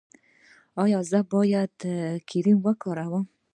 ایا زه باید کریم وکاروم؟